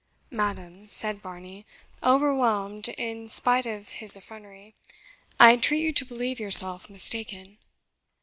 "Madam," said Varney, overwhelmed in spite of his effrontery, "I entreat you to believe yourself mistaken."